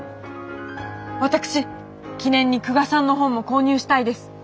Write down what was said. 私記念に久我さんの本も購入したいです。